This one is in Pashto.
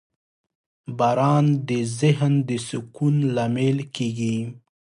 • باران د ذهن د سکون لامل کېږي.